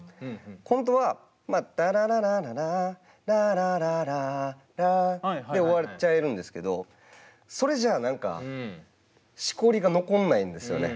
本当はタララララララララララで終わっちゃえるんですけどそれじゃあ何かしこりが残んないんですよね。